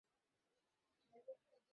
ওর অবস্থা কি বেশি খারাপ?